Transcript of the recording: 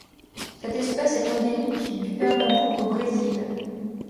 Cette espèce est endémique du Pernambouc au Brésil.